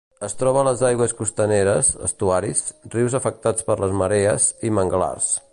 Es troba a les aigües costaneres, estuaris, rius afectats per les marees i manglars.